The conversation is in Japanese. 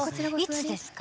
いつですか？